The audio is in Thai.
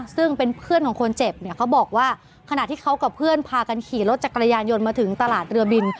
ซึ่งเป็นเพื่อนของคนเจ็บเนี่ยเขาบอกว่าขณะที่เขากับเพื่อนพากันขี่รถจักรยานยนต์มาถึงตลาดเรือบิน